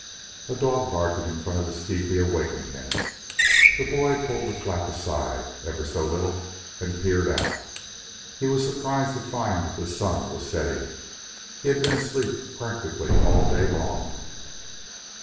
A dog barking in front of his tepee awakened him. The boy pulled the flap aside ever so little and peered out. He was surprised to find that the sun was setting. He had been asleep practically all day long.